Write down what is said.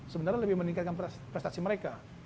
sebenarnya lebih meningkatkan prestasi mereka